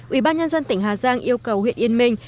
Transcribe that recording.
ủy ban nhân dân tỉnh hà giang yêu cầu huyện yên minh